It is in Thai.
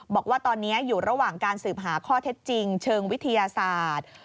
บอกว่าตอนนี้อยู่ระหว่างการสืบหาข้อเท็จจริงเชิงวิทยาศาสตร์